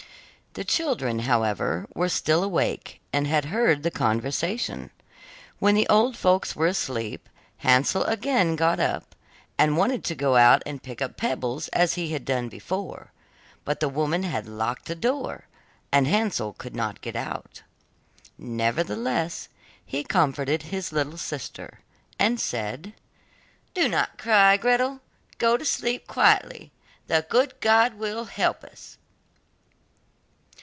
The children, however, were still awake and had heard the conversation. When the old folks were asleep, Hansel again got up, and wanted to go out and pick up pebbles as he had done before, but the woman had locked the door, and Hansel could not get out. Nevertheless he comforted his little sister, and said: 'Do not cry, Gretel, go to sleep quietly, the good God will help us.